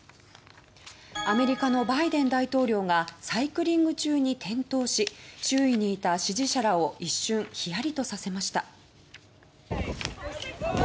アメリカのバイデン大統領がサイクリング中に転倒し周囲にいた支持者らを一瞬冷やりとさせました。